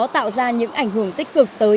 tạo ra những ảnh hưởng tích cực tới